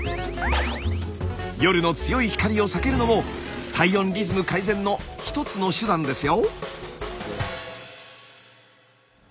夜の強い光を避けるのも体温リズム改善の一つの手段ですよ！